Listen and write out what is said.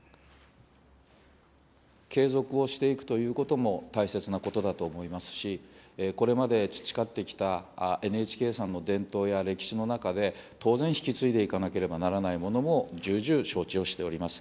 継続をしていくということも大切なことだと思いますし、これまで培ってきたＮＨＫさんの伝統や歴史の中で、当然、引き継いでいかなければならないものも重々承知をしております。